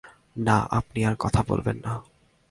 না, আপনি আর কথা বলবেন না।